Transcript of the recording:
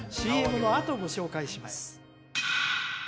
ＣＭのあとご紹介します